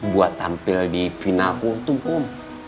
buat tampil di final cultum kum